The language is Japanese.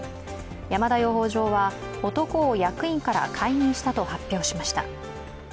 山田養蜂場は男を役員から解任したと発表しました。